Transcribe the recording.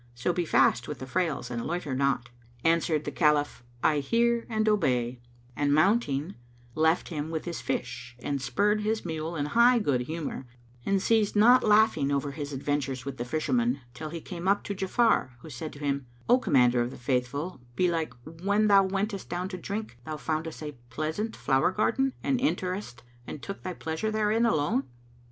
So be fast with the frails and loiter not." Answered the Caliph, "I hear and obey" and mounting, left him with his fish, and spurred his mule, in high good humour, and ceased not laughing over his adventures with the Fisherman, till he came up to Ja'afar, who said to him, "O Commander of the Faithful, belike, when thou wentest down to drink, thou foundest a pleasant flower garden and enteredst and tookest thy pleasure therein alone?"